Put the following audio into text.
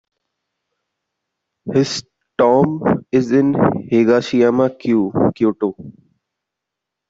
His tomb is in Higashiyama-ku, Kyoto.